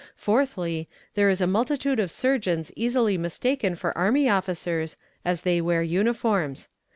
Fourthly, there is a multitude of surgeons easily mistaken for army officers, as they wear uniforms.